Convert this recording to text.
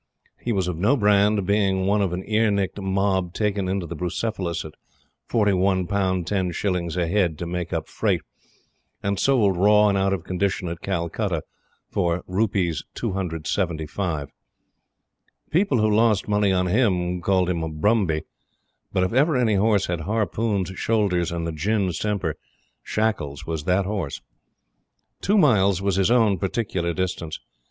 He was of no brand, being one of an ear nicked mob taken into the Bucephalus at 4l. 10s. a head to make up freight, and sold raw and out of condition at Calcutta for Rs. 275. People who lost money on him called him a "brumby;" but if ever any horse had Harpoon's shoulders and The Gin's temper, Shackles was that horse. Two miles was his own particular distance.